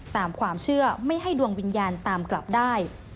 ตามความเชื่อไม่ให้ดวงวิญญาณตามกลับได้